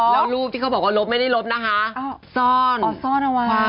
แล้วรูปที่เขาบอกว่าลบไม่ได้ลบนะคะ